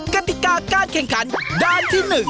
กติกาการแข่งขันด้านที่๑